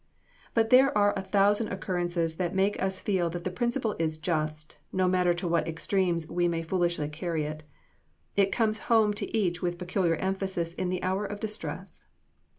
But there are a thousand occurrences that make us feel that the principle is just, no matter to what extremes we may foolishly carry it. It comes home to each with peculiar emphasis in the hour of distress.